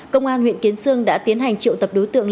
công an huyện kiến sương đã tiến hành triệu tập đối tượng